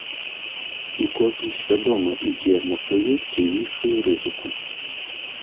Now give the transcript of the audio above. І кожны свядома ідзе на тую ці іншую рызыку.